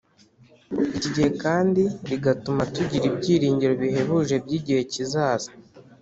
Iki gihe kandi rigatuma tugira ibyiringiro bihebuje by igihe kizaza